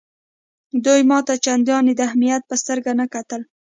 دوی ما ته چنداني د اهمیت په سترګه نه کتل.